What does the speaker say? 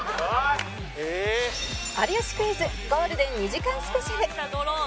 『有吉クイズ』ゴールデン２時間スペシャル